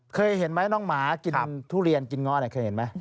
เคยเห็นไหมน้องหมากินทุเรียนกินง้อเคยเห็นไหม